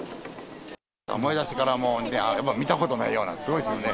燃えだしてから、あれは見たことないような、すごいですよね。